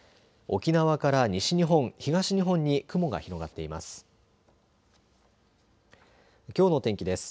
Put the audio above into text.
沖縄から西日本、東日本に雲が広がっています。